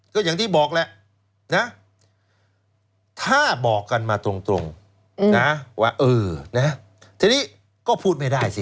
ก็อย่างที่บอกแหละนะถ้าบอกกันมาตรงนะว่าเออนะทีนี้ก็พูดไม่ได้สิ